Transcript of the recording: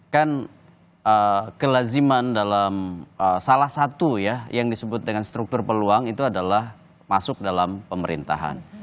kan kelaziman dalam salah satu ya yang disebut dengan struktur peluang itu adalah masuk dalam pemerintahan